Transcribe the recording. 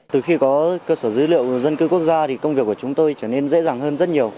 từ khi có cơ sở dữ liệu dân cư quốc gia thì công việc của chúng tôi trở nên dễ dàng hơn rất nhiều